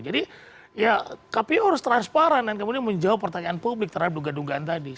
jadi ya kpu harus transparan dan kemudian menjawab pertanyaan publik terhadap duga dugaan tadi